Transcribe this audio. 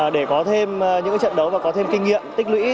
để có thêm những trận đấu và có thêm kinh nghiệm tích lũy